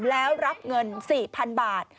แล้วรับเงิน๔๐๐๐บาท